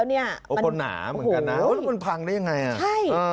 เนี่ยกำลังคุยกันอยู่